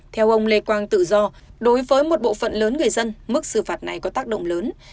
theo ông lê quang tự do đối với một bộ phận lớn người dân mức xử phạt này có tác động lớn